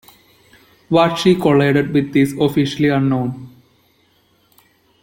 What she collided with is officially unknown.